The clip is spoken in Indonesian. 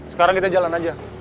sekarang kita jalan aja